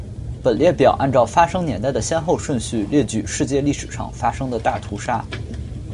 本列表按照发生年代的先后顺序列举世界历史上发生的大屠杀。